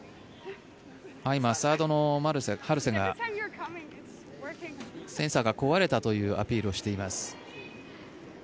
今、サードのハルセがセンサーが壊れたというアピールをしています。